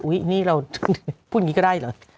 นี่เราพูดอย่างนี้ก็ได้เหรอ